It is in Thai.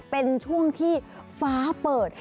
เป็นช่วงที่ฟ้าเปิด